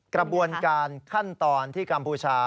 กระบวนการขั้นตอนที่กัมพูชา